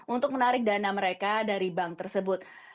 untuk menarik dana mereka dari bank tersebut